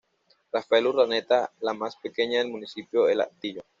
Rafael Urdaneta", la más pequeña del Municipio El Hatillo.